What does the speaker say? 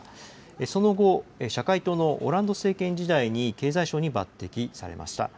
その後、社会党のオランド政権時代に経済相に抜てきされました。